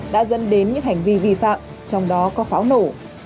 đã dẫn đến những hành vi vi phạm trong đó có pháo nổ